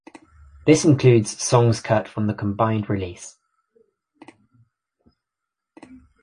This includes songs cut from the combined release.